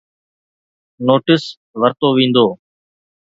Notice ورتو ويندو.